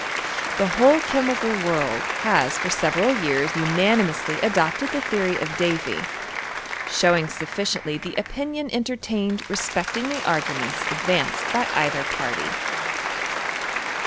The whole chemical world has for severid years unanimously adopted the theory of Davy ; showing sufficiently the opinion entertained lespecting the arguments advanced by either party.